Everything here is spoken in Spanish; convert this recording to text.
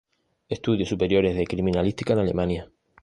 Estudios superiores de criminalística en Alemania.